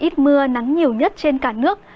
ít mưa nắng nhiều nhất trên cả nước